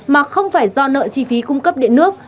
mà không phải do nợ chi phí cung cấp điện nước